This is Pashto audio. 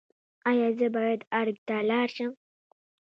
ایا زه باید ارګ ته لاړ شم؟